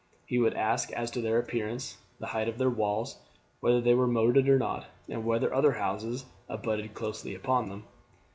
He would ask as to their appearance, the height of their walls, whether they were moated or not, and whether other houses abutted closely upon them.